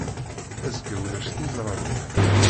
Azekka ulac tizrawin.